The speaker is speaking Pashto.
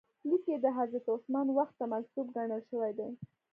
لیک یې د حضرت عثمان وخت ته منسوب ګڼل شوی دی.